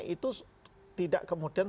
itu tidak kemudian